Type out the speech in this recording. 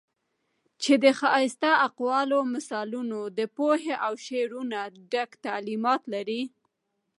چې د ښائسته اقوالو، مثالونو د پوهې او شعور نه ډک تعليمات لري